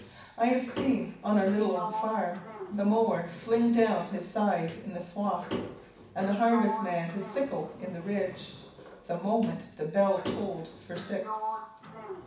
I have seen, on our own little farm, the mower fling down his scythe in the swathe, and the harvest man his sickle in the ridge, the moment the bell tolled for six.